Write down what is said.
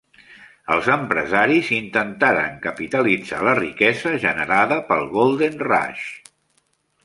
Els empresaris intentaren capitalitzar la riquesa generada pel "Golden Rush".